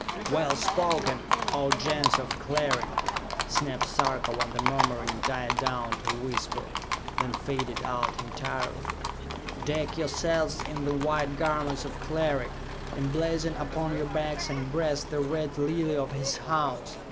"Well spoken, O Gens of Cleric!" snapped Sarka when the murmuring died down to a whisper, then faded out entirely. "Deck yourselves in the white garments of Cleric! Emblazon upon your backs and breast the Red Lily of his House!